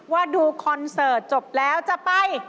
ว่าดูคอนเสิร์ตจบแล้วจะไป